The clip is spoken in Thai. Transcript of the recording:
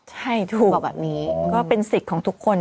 ใช่ถูกก็เป็นสิทธิ์ของทุกคน